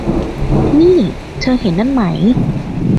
นี่ เธอเห็นนั่นไหม